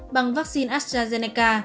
bằng vaccine astrazeneca